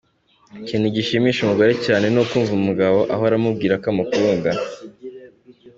Ikintu gishimisha umugore cyane ni ukumva umugabo ahora amubwira ko amukunda.